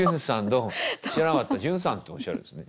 知らなかったジュンさんっておっしゃるんですね。